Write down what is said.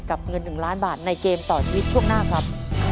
เงิน๑ล้านบาทในเกมต่อชีวิตช่วงหน้าครับ